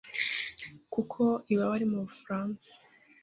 kuko iba wari mu Bufaransa